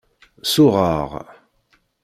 Suɣeɣ.